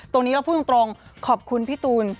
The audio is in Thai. ตรงนี้ก็พูดตรงขอบคุณพี่ตูน